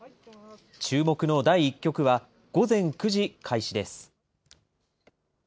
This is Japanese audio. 注目の第１局は、午前９時開始です。